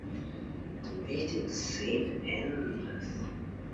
The meeting seemed endless.